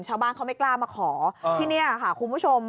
ชาวบ้านเขาไม่กล้ามาขอที่นี่ค่ะคุณผู้ชม